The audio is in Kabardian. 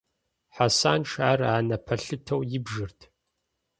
Хьэсанш ар анэ пэлъытэу ибжырт.